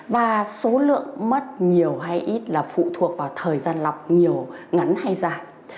và số lượng mất nhiều hay ít là phụ thuộc vào thời gian lọc nhiều ngắn hay dài